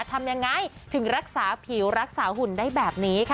ทำยังไงถึงรักษาผิวรักษาหุ่นได้แบบนี้ค่ะ